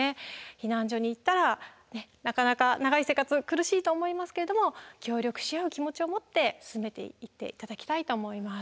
避難所に行ったらなかなか長い生活苦しいと思いますけれども協力し合う気持ちを持って進めていって頂きたいと思います。